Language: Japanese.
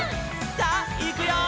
「さあいくよー！」